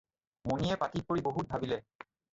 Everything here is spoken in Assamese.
মণিয়ে পাটীত পৰি বহুত ভাবিলে।